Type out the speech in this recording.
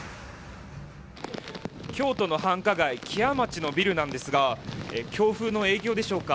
京都の繁華街木屋町のビルなんですが強風の影響でしょうか